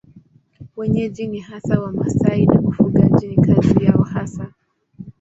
Wenyeji ni hasa Wamasai na ufugaji ni kazi yao hasa.